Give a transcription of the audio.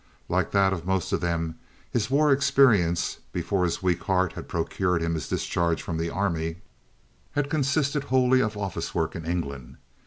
Like that of most of them, his war experience, before his weak heart had procured him his discharge from the army, had consisted wholly of office work in England.